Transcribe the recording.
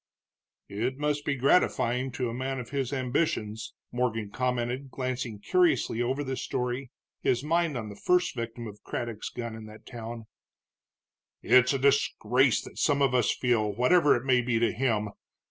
"It must be gratifying to a man of his ambitions," Morgan commented, glancing curiously over the story, his mind on the first victim of Craddock's gun in that town. "It's a disgrace that some of us feel, whatever it may be to him.